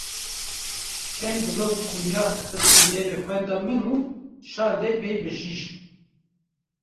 Çend dilop kunyak xistin devê xweha min û şande pey bijîşk.